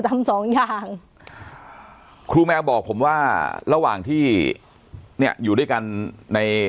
สองอย่างครูแมวบอกผมว่าระหว่างที่เนี่ยอยู่ด้วยกันใน